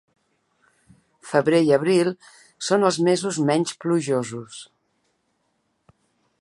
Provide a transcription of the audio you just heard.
Febrer i abril són els mesos menys plujosos.